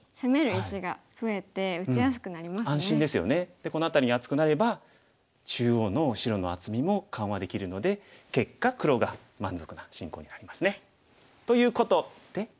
でこの辺り厚くなれば中央の白の厚みも緩和できるので結果黒が満足な進行になりますね。ということで。